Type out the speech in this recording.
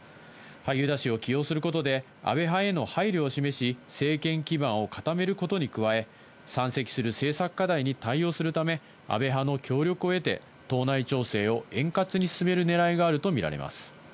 萩生田氏を起用することで、安倍派への配慮を示し、政権基盤を固めることに加え、山積する政策課題に対応するため、安倍派の協力を得て、党内調整を円滑に進めるねらいがあると見られます。